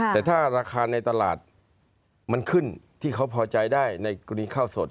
แต่ถ้าราคาในตลาดมันขึ้นที่เขาพอใจได้ในกรณีข้าวสด